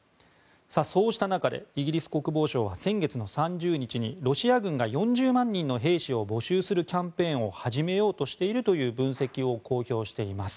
そうした中でイギリス国防省は先月の３０日にロシア軍が４０万人の兵士を募集するキャンペーンを始めようとしているという分析を公表しています。